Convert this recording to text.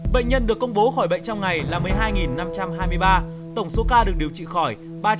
bệnh nhân được công bố khỏi bệnh trong ngày là một mươi hai năm trăm hai mươi ba tổng số ca được điều trị khỏi ba trăm ba mươi tám một trăm bảy mươi